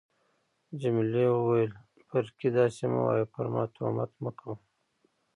جميلې وويل: فرګي، داسي مه وایه، پر ما تهمت مه کوه.